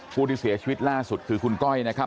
ผู้ที่เสียชีวิตล่าสุดคือคุณก้อยนะครับ